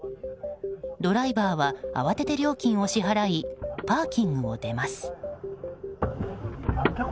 ドライバーは慌てて料金を支払いパーキングを出ます。